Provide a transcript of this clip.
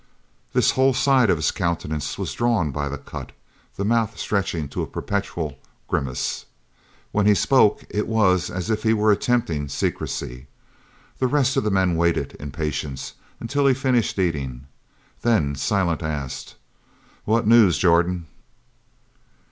This whole side of his countenance was drawn by the cut, the mouth stretching to a perpetual grimace. When he spoke it was as if he were attempting secrecy. The rest of the men waited in patience until he finished eating. Then Silent asked: "What news, Jordan?"